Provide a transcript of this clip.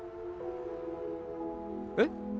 えっ？